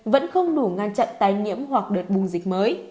vẫn không đủ ngăn chặn tai nhiễm hoặc đợt bùng dịch